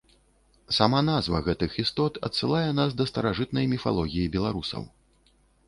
Сама назва гэтых істот адсылае нас да старажытнай міфалогіі беларусаў.